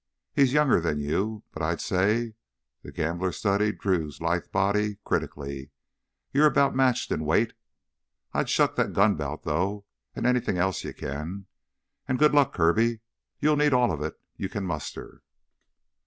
He's younger than you, but I'd say"—the gambler studied Drew's lithe body critically—"you're about matched in weight. I'd shuck that gun belt, though, and anything else you can. And good luck, Kirby. You'll need all of it you can muster."